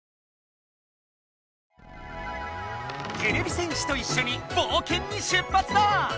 てれび戦士といっしょに冒険に出発だ！